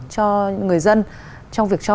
cho người dân trong việc cho